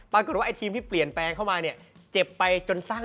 เปรียบดีไปคุณเจ้าไตตัน